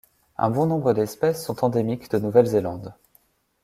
Un bon nombre d'espèces sont endémiques de Nouvelle-Zélande.